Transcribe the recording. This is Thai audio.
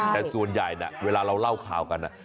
แต่ส่วนใหญ่เวลาเราเล่าข่าวกัน